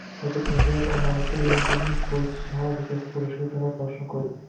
Shavkat Mirziyoyev Olmaliqda yangi mis boyitish fabrikasi qurilishiga tamal toshini qo‘ydi